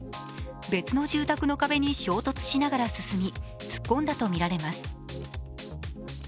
別の住宅の壁に衝突しながら進み突っ込んだとみられます。